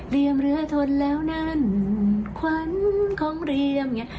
เหรียมเรือทนแล้วนั่นขวัญของเหรียม